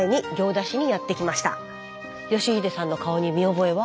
徳秀さんの顔に見覚えは？